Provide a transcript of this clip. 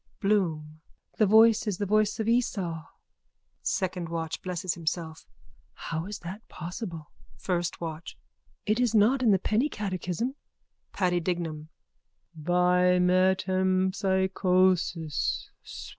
BLOOM: The voice is the voice of Esau. SECOND WATCH: (Blesses himself.) How is that possible? FIRST WATCH: It is not in the penny catechism. PADDY DIGNAM: By metempsychosis.